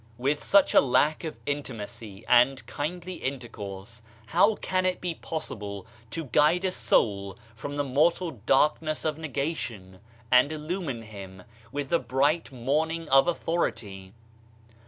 With such a lack of intimacy and kindly inter course, how can it be possible to guide a soul from the mortal darkness of negation, and illumine him with the bright morning of authority?